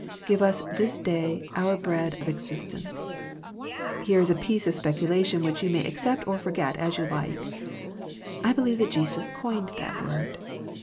" Give us this day our bread of existence." Here is a piece of speculation which you may accept or forget as you like. I believe Jesus coined that word.